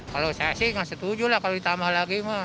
kalau saya sih nggak setuju lah kalau ditambah lagi mah